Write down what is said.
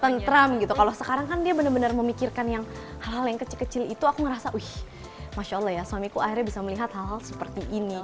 tentram gitu kalau sekarang kan dia benar benar memikirkan yang hal hal yang kecil kecil itu aku ngerasa wih masya allah ya suamiku akhirnya bisa melihat hal hal seperti ini